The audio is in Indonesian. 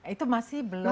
itu masih belum